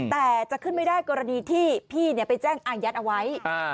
แต่จะขึ้นไม่ได้กรณีที่พี่ไปแจ้งอายัดเอาไว้